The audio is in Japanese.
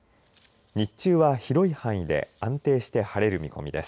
日中は広い範囲で安定して晴れる見込みです。